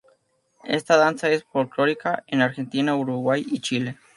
Esta danza es folclórica en Argentina, Uruguay y Chile.